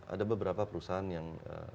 ada beberapa perusahaan yang